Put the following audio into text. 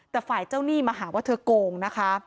แต่ฝ่ายเจ้าหนี้มาหาว่าเธอโกงนะคะ